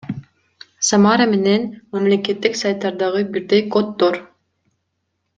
Самара менен мамлекеттик сайттардагы бирдей коддор